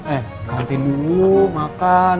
eh ngantin dulu makan